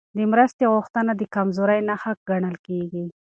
د مرستې غوښتنه د کمزورۍ نښه ګڼل کېږي.